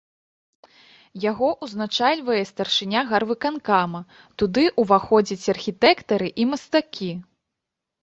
Яго ўзначальвае старшыня гарвыканкама, туды ўваходзяць архітэктары і мастакі.